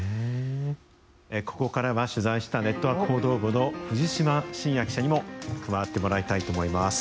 ここからは取材したネットワーク報道部の藤島新也記者にも加わってもらいたいと思います。